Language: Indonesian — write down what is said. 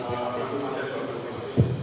apakah itu adalah operasi penegakan hukum